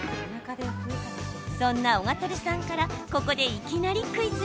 そんなオガトレさんからここで、いきなりクイズ。